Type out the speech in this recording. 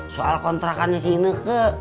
soal kontrakannya si neke